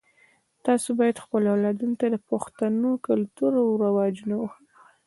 تاسو باید خپلو اولادونو ته د پښتنو کلتور او رواجونه ور وښایئ